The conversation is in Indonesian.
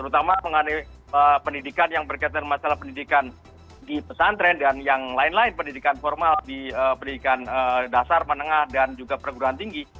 jadi pendidikan yang berkaitan masalah pendidikan di pesantren dan yang lain lain pendidikan formal di pendidikan dasar menengah dan juga perguruan tinggi